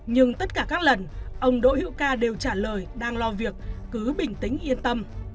nhưng tất cả các lần ông đỗ hữu ca đều trả lời đang lo việc cứ bình tĩnh yên tâm